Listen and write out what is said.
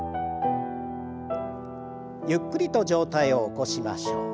ゆっくりと上体を起こしましょう。